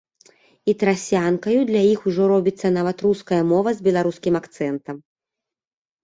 І трасянкаю для іх ужо робіцца нават руская мова з беларускім акцэнтам.